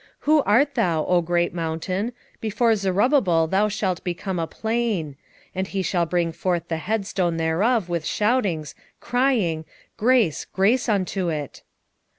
4:7 Who art thou, O great mountain? before Zerubbabel thou shalt become a plain: and he shall bring forth the headstone thereof with shoutings, crying, Grace, grace unto it.